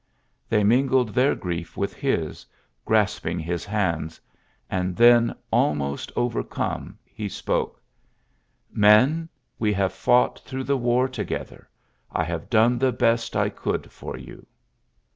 They mingled th^ griei with his, grasping his hands ; and then,^ almost overcome, he spoke: ^^Men, wa "^ have fought through the war together. I have done the best I could for you.'